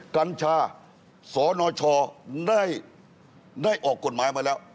กัญชาสนชได้ออกกฎหมายมาแล้ว